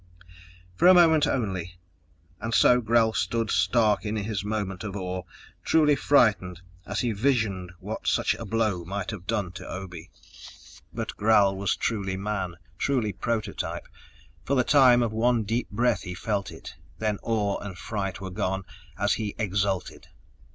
_For a moment only. And so Gral stood stark in his moment of awe, truly frightened as he visioned what such a blow might have done to Obe. But Gral was truly man, truly prototype; for the time of one deep breath he felt it, then awe and fright were gone as he exulted.